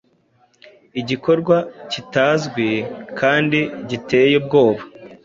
Igikorwa kitazwi kandi giteye ubwoba